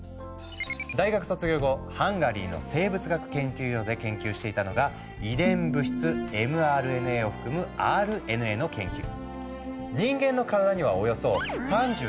大学卒業後ハンガリーの生物学研究所で研究していたのが遺伝物質ｍＲＮＡを含む「ＲＮＡ」の研究。